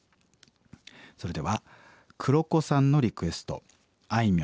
それではクロコさんのリクエストあいみょ